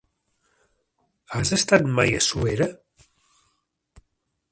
Has estat mai a Suera?